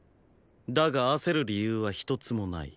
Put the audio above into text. だが焦る理由は一つもない。